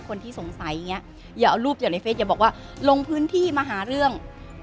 คนที่สงสัยอย่างนี้อย่าเอารูปอยู่ในเฟสอย่าบอกว่าลงพื้นที่มาหาเรื่อง